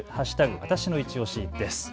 わたしのいちオシです。